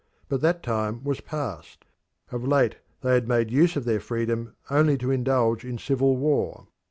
But that time was past. Of late they had made use of their freedom only to indulge in civil war.